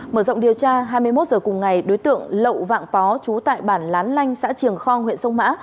mở rộng điều tra hai mươi một h cùng ngày đối tượng lậu vạn phó trú tại bản lán lanh xã triềng khong huyện sông mã